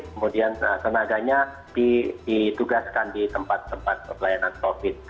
kemudian tenaganya ditugaskan di tempat tempat pelayanan covid